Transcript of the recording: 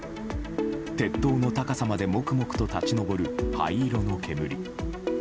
鉄塔の高さまでモクモクと立ち上る灰色の煙。